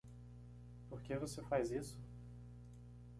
Por que você faz isso?